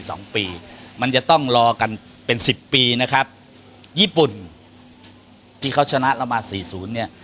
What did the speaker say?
สองปีมันจะต้องรอกันเป็นสิบปีนะครับญี่ปุ่นที่เขาชนะเรามาสี่ศูนย์เนี่ย